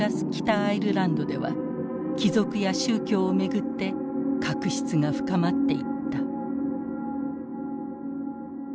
アイルランドでは帰属や宗教を巡って確執が深まっていった。